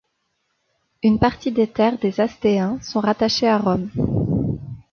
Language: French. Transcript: Une partie des terres des Astéens sont rattachées à Rome.